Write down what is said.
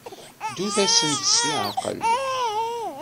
Ddut-asent s leɛqel.